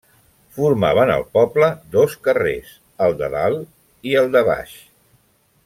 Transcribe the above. Formaven el poble dos carrers, el de Dalt i el de Baix.